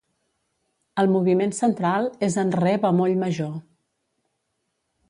El moviment central es en Re bemoll major.